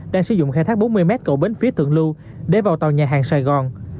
đang sử dụng khai thác bốn mươi mét cầu bến phía thượng lưu để vào tàu nhà hàng sài gòn